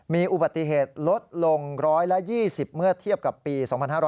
มีอุบัติเหตุลดลง๑๒๐เมื่อเทียบกับปี๒๕๕๙